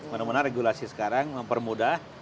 mudah mudahan regulasi sekarang mempermudah